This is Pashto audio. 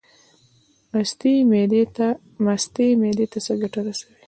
مستې معدې ته څه ګټه رسوي؟